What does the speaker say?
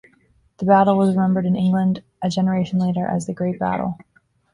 The battle was remembered in England a generation later as "the Great Battle".